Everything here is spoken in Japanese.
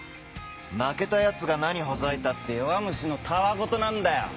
負けたヤツが何ほざいたって弱虫のたわ言なんだよ。